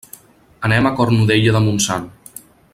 Anem a Cornudella de Montsant.